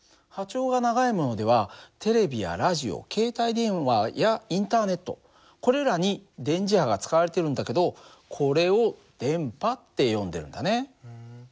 波長が長いものではテレビやラジオ携帯電話やインターネットこれらに電磁波が使われてるんだけどこれを電波って呼んでるんだね。